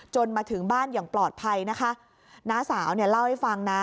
มาถึงบ้านอย่างปลอดภัยนะคะน้าสาวเนี่ยเล่าให้ฟังนะ